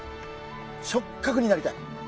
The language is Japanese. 触角になりたい。